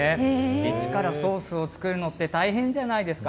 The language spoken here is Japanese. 一からソースを作るのって大変じゃないですか。